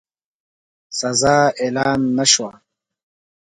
سزا اعلان نه شوه.